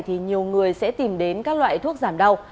thì nhiều người sẽ tìm đến các loại thuốc giảm đau